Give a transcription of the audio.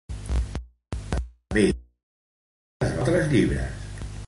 També es van publicar altres llibres.